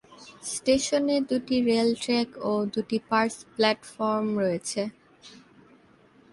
স্টেশনে দুটি rail track ও দুটি পার্শ্ব প্ল্যাটফর্ম রয়েছে।